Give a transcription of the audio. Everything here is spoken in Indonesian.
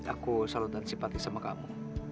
aku selalu dan simpati sama kamu